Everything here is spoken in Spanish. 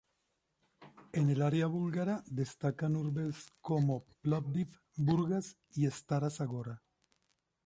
En el área búlgara destacan urbes como Plovdiv, Burgas y Stara Zagora.